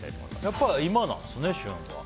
やっぱり今なんですね旬は。